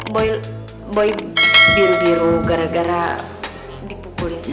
boy boy biru biru gara gara dipukulin sama